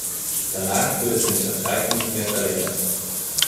Danach wurde sein Vertrag nicht mehr verlängert.